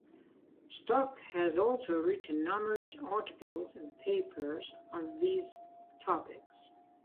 Stock has also written numerous articles and papers on these topics.